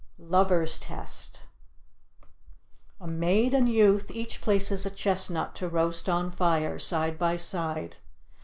LOVER'S TEST A maid and youth each places a chestnut to roast on fire, side by side.